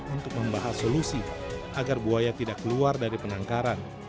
untuk membahas solusi agar buaya tidak keluar dari penangkaran